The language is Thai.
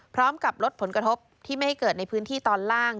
พร้อมกับลดผลกระทบที่ไม่ให้เกิดในพื้นที่ตอนล่าง